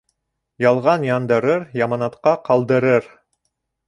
Ялған яндырыр, яманатҡа ҡалдырыр.